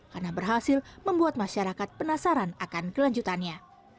karena berhasil membuat masyarakat penasaran akan kelanjutannya